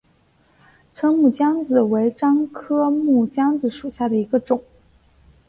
滇木姜子为樟科木姜子属下的一个种。